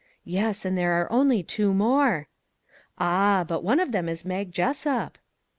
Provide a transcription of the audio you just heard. " Yes, and there are only two more." " Ah, but one of them is Mag Jessup